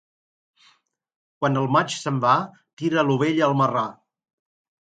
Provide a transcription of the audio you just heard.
Quan el maig se'n va tira l'ovella al marrà.